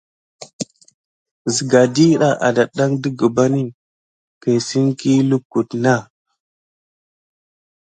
Sigan ɗiɗa ada kidan ɗe gəban kesinki, lukutu nà.